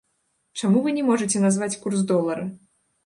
Чаму вы не можаце назваць курс долара?